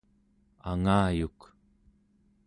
angayuk